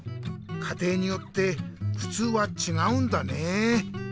かていによってふつうはちがうんだね。